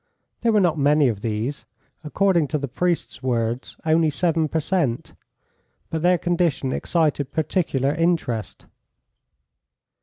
There were not many of these; according to the priest's words, only seven per cent., but their condition excited particular interest.